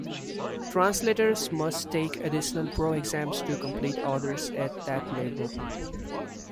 Translators must take additional Pro exam to complete orders at that level.